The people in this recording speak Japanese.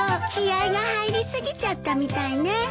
気合が入り過ぎちゃったみたいね。